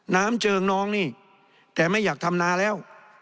เจิงน้องนี่แต่ไม่อยากทำนาแล้ว